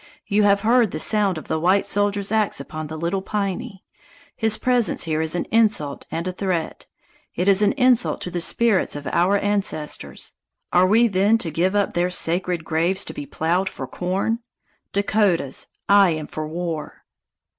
You have heard the sound of the white soldier's ax upon the Little Piney. His presence here is an insult and a threat. It is an insult to the spirits of our ancestors. Are we then to give up their sacred graves to be plowed for corn? Dakotas, I am for war!"